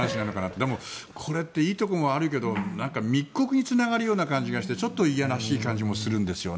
でも、これっていいところもあるけど密告につながる気もしてちょっと嫌らしい感じもするんですよね